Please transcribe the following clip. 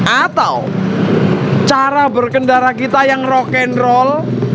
atau cara berkendara kita yang rock and roll